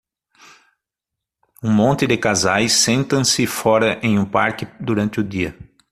Um monte de casais sentam-se fora em um parque durante o dia.